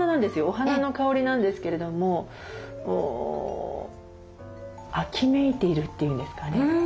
お花の香りなんですけれども秋めいているというんですかね。